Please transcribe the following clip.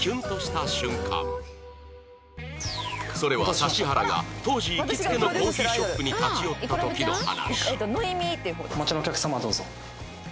それは指原が当時行きつけのコーヒーショップに立ち寄った時の話